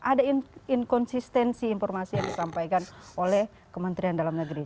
ada inkonsistensi informasi yang disampaikan oleh kementerian dalam negeri